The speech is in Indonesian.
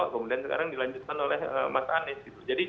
kemudian sekarang dilanjutkan oleh mas anies gitu